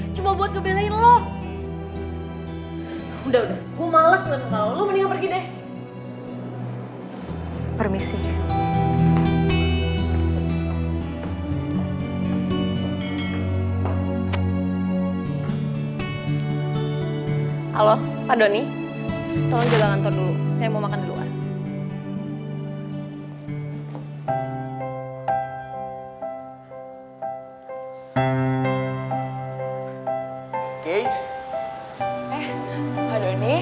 cuma buat ngebelain lo